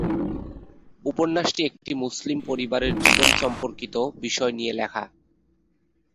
উপন্যাসটি একটি মুসলিম পরিবারের জীবন সম্পর্কিত বিষয় নিয়ে লিখা।